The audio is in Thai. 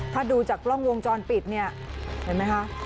ถ้าดูจากกล้องวงจรปิดเนี่ยเห็นไหมคะ